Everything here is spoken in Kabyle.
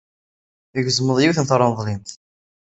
Tgezmeḍ yiwet n treḍlimt.